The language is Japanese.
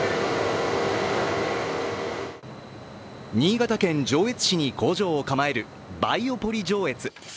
新潟県上越市に工場を構えるバイオポリ上越。